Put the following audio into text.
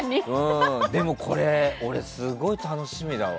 でも俺、すごい楽しみだわ。